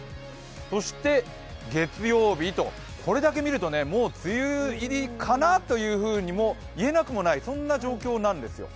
そして月曜日と、これだけ見るともう梅雨入りかなというふうにいえなくもない状況なんですよ。